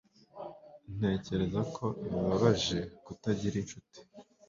Ntekereza ko bibabaje kutagira inshuti